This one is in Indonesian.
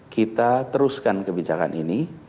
kita teruskan kebijakan ini